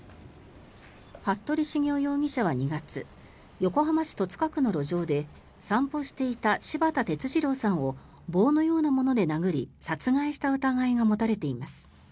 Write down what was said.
服部繁雄容疑者は２月横浜市戸塚区の路上で散歩していた柴田哲二郎さんを棒のようなもので殴り殺害した疑いが持たれています。